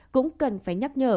cũng cần phải nhắc nhở